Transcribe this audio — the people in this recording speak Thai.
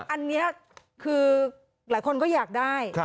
อันนี้คือหลายคนก็อยากได้